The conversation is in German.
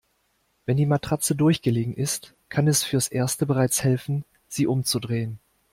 Wenn die Matratze durchgelegen ist, kann es fürs Erste bereits helfen, sie umzudrehen.